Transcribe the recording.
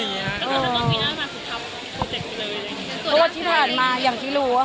เพราะว่าที่ผ่านมาอย่างที่รู้ว่าค่ะ